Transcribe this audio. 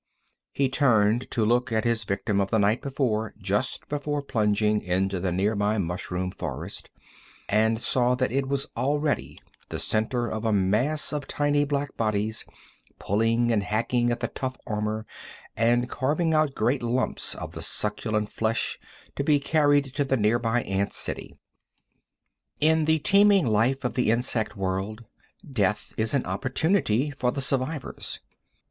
He turned to look at his victim of the night before just before plunging into the near by mushroom forest, and saw that it was already the center of a mass of tiny black bodies, pulling and hacking at the tough armor, and carving out great lumps of the succulent flesh to be carried to the near by ant city. In the teeming life of the insect world death is an opportunity for the survivors.